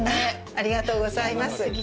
ありがとうございます。